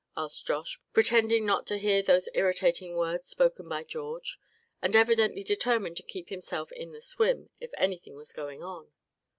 asked Josh, pretending not to hear those irritating words spoken by George; and evidently determined to keep himself "in the swim" if anything was going on.